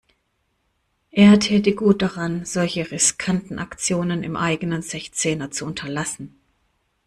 Er täte gut daran, solche riskanten Aktionen im eigenen Sechzehner zu unterlassen.